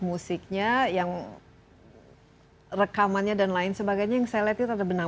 musiknya yang rekamannya dan lain sebagainya yang saya lihat itu ada banyak yang menarik dan yang